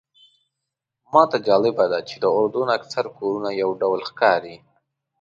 ماته جالبه داده چې د اردن اکثر کورونه یو ډول ښکاري.